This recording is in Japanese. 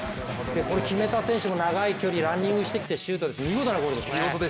これ、決めた選手も長い距離をランニングしてきてシュート、見事なゴールですね。